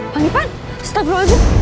pak ipan ustadz berulang aja